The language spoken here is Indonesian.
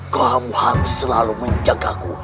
kamu harus selalu menjagaku